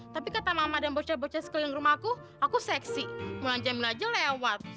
tapi kata mama dan bocah bocah sekeliling rumahku aku seksi mulai jam jam aja lewat